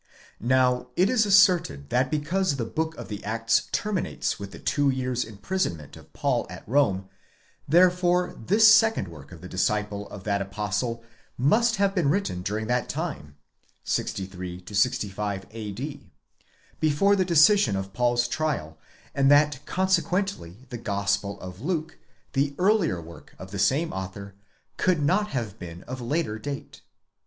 Now, it is asserted that because the Book of the Acts terminates with the two years' imprisonment of Paul at Rome, therefore this second work of the disciple of that apostle, must have been written during that time, (63 65, a.p.) before the decision of Paul's trial, and that consequently, the Gospel of Luke, the earlier work of the same author, could not have been of later date.